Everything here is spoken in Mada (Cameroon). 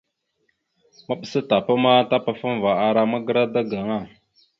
Maɓəsa tapa ma tapafaŋava ara magəra daga aŋa.